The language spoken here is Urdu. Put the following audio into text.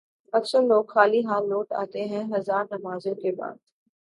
اکثر لوگ خالی ہاتھ لوٹ آتے ہیں ہزار نمازوں کے بعد